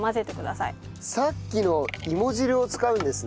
さっきのいも汁を使うんですね。